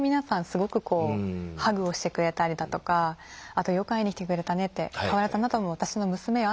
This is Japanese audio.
すごくこうハグをしてくれたりだとかあと「よく会いに来てくれたね」って「変わらずあなたも私の娘よ。